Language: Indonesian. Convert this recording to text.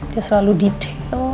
dia selalu detail